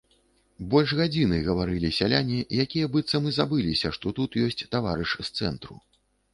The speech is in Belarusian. Больш гадзіны гаварылі сяляне, якія быццам і забыліся, што тут ёсць таварыш з цэнтру.